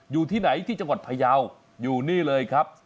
อยู่ที่ไหนที่จังหวัดพยาวอยู่นี่เลยครับ